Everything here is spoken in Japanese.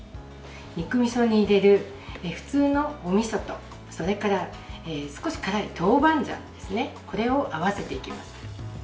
肉みそに入れる普通のおみそとそれから少し辛い豆板醤を合わせていきます。